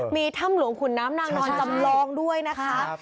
มีถ้ำหลวงขุนน้ำนางนอนจำลองด้วยนะคะ